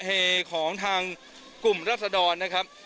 เฮของทางกลุ่มรัศดรนะครับ